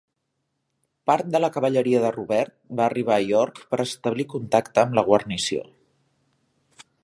Part de la cavalleria de Rubert va arribar a York per establir contacte amb la guarnició.